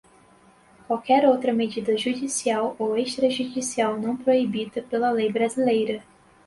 qualquer outra medida judicial ou extrajudicial não proibida pela lei brasileira.